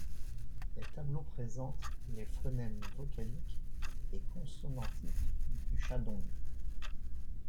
Les tableaux présentent les phonèmes vocaliques et consonantiques du chadong.